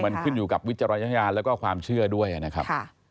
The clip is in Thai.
มันขึ้นอยู่กับวิจารณญาณแล้วก็ความเชื่อด้วยนะครับ